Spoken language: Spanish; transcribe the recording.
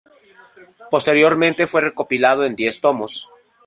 Posteriormente fue recopilado en diez tomos.